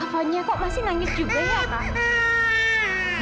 fahnya kok masih nangis juga ya pak